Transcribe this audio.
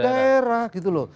daerah gitu loh